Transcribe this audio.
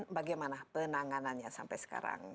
bagaimana penanganannya sampai sekarang